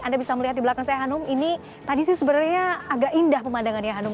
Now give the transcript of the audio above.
anda bisa melihat di belakang saya hanum ini tadi sih sebenarnya agak indah pemandangannya hanum